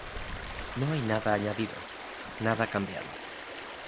No hay nada añadido, nada cambiado.